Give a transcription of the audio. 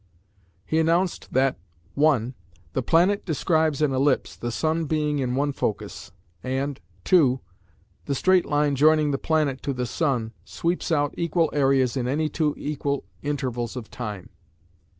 He announced that (1) The planet describes an ellipse, the sun being in one focus; and (2) The straight line joining the planet to the sun sweeps out equal areas in any two equal intervals of time.